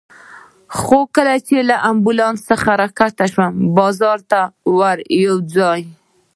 خو کله چې له امبولانس څخه راکښته شوم، بازار ته ورته یو ځای و.